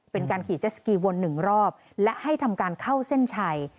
เป็นการขี่เจสสกีวนหนึ่งรอบและให้ทำการเข้าเส้นชัย